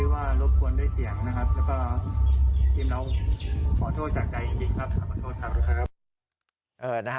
หรือว่ารบกวนด้วยเสียงนะครับ